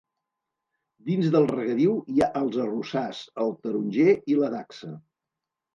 Dins del regadiu hi ha els arrossars, el taronger i la dacsa.